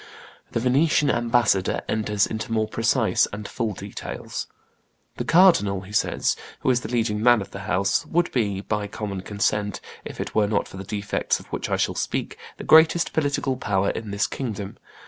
The Venetian ambassador enters into more precise and full details. "The cardinal," he says, "who is the leading man of the house, would be, by common consent, if it were not for the defects of which I shall speak, the greatest political power in this kingdom.